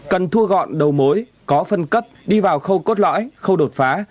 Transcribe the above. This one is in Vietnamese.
cần thua gọn đầu mối có phân cấp đi vào khâu cốt lõi khâu đột phá